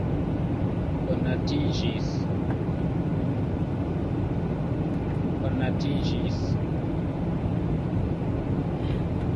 konatiĝis